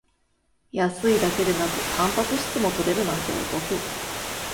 安いだけでなくタンパク質も取れるなんてお得